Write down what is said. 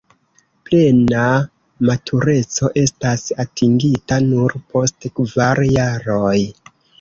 Plena matureco estas atingita nur post kvar jaroj.